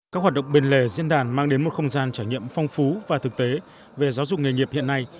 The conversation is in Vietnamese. các hoạt động bên lề diễn đàn mang đến một không gian trải nghiệm phong phú và thực tế về giáo dục nghề nghiệp hiện nay